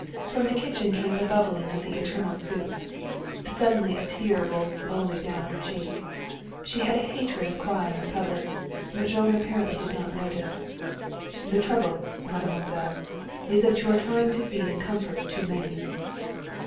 From the kitchen came the bubbling of the eternal soup. Suddenly a tear rolled slowly down her cheek. She had a hatred of crying in public, but Jean apparently did not notice. "The trouble, mademoiselle, is that you are trying to feed and comfort too many."